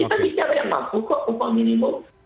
kita bicara ya mampu kok upah minimum